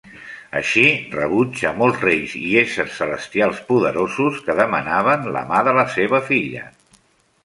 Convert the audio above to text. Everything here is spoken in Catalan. Així rebutja molts reis i éssers celestials poderosos que demanaven la mà de la seva filla.